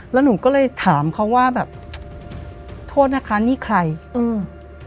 แล้วหนูก็เลยถามเขาว่าแบบโทษนะคะนี่ใครอืม